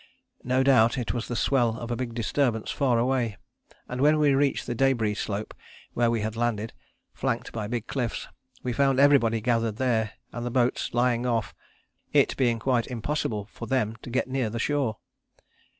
No doubt it was the swell of a big disturbance far away, and when we reached the débris slope where we had landed, flanked by big cliffs, we found everybody gathered there and the boats lying off it being quite impossible for them to get near the shore.